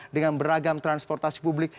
dengan beragam transportasi publik